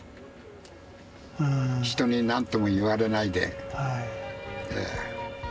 人に何とも言われないでええ